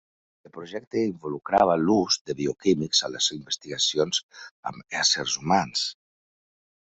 El Projecte involucrava l'ús de bioquímics a les investigacions amb éssers humans.